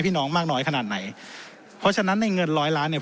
น้องมากน้อยขนาดไหนเพราะฉะนั้นในเงินร้อยล้านเนี่ย